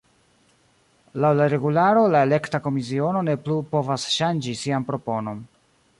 Laŭ la regularo, la elekta komisiono ne plu povas ŝanĝi sian proponon.